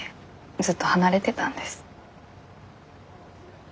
ずっと離れてたんです。